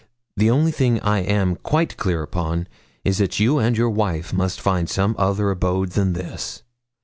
The only thing I am quite clear upon is, that you and your wife must find some other abode than this.